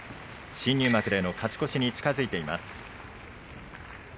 新入幕での勝ち越しに近づいています。